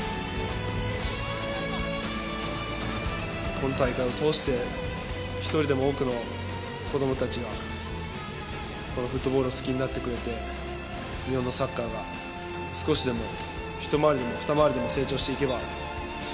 今大会を通して、一人でも多くの子どもたちが、このフットボールを好きになってくれて、日本のサッカーが少しでも、一回りでも二回りでも成長していけば。